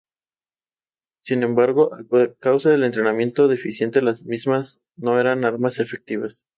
El nombre maorí del árbol significa "padre del bosque".